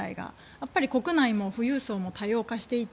やっぱり、国内も富裕層も多様化していて